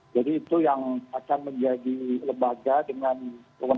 jadi itu yang akan menjadi lembaga dengan kewenangan setinggal menteri